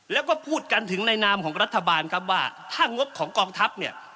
แล้วก็พูดกันถึงในนามของรัฐบาลครับว่าถ้างบของกองทัพเนี่ย